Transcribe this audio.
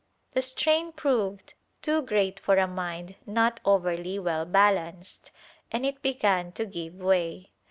The strain proved too great for a mind not overly well balanced, and it began to give way.